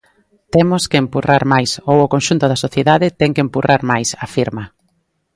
"Temos que empurrar máis, ou o conxunto da sociedade ten que empurrar máis", afirma.